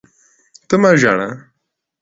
ته مه ژاړه!